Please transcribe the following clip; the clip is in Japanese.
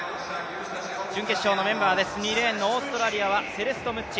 準決勝メンバーですオーストラリア、セレスト・ムッチ。